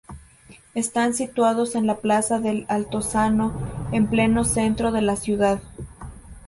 Están situados en la plaza del Altozano, en pleno Centro de la ciudad.